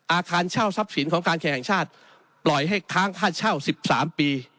อาคารเช่าทรัพย์สินของการแข่งชาติปล่อยให้ค้างค่าเช่า๑๓ปี